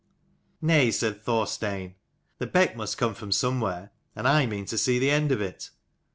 "Nay," said Thorstein, "the beck must come from somewhere, and I mean to see the end of it."